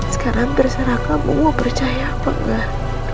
sekarang terserah kamu wah percaya apa enggak